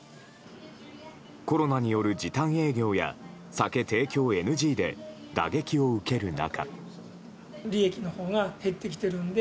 コロナによる時短営業や酒提供ＮＧで打撃を受ける中。